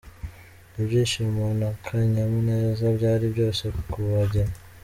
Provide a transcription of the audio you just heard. Ibyishimo n'akanyamuneza byari byose ku bageni.